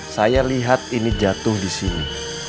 saya lihat ini jatuh di sini